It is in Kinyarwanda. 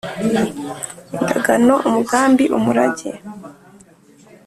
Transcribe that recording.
indagano: umugambi; umurage